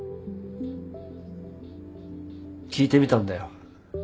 聴いてみたんだよ